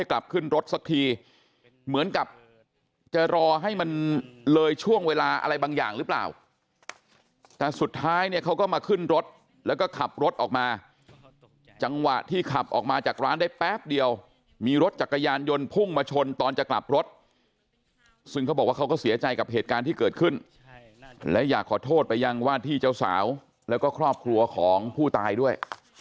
แต่สุดท้ายเนี่ยเขาก็มาขึ้นรถแล้วก็ขับรถออกมาจังหวะที่ขับออกมาจากร้านได้แป๊บเดียวมีรถจากกรยานยนต์พุ่งมาชนตอนจะกลับรถซึ่งเขาบอกว่าเขาก็เสียใจกับเหตุการณ์ที่เกิดขึ้นและอยากขอโทษไปยังว่าที่เจ้าสาวและก็ครอบครัวของผู้ตายด้วย